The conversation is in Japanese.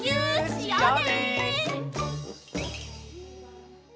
しようね！